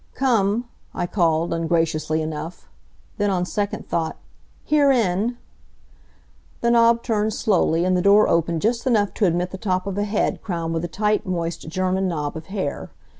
"Come!" I called, ungraciously enough. Then, on second thought: "Herein!" The knob turned slowly, and the door opened just enough to admit the top of a head crowned with a tight, moist German knob of hair.